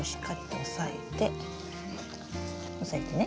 押さえてね？